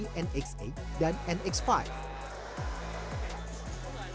yang berbeda dalamnya yanni nx delapan dan nx lima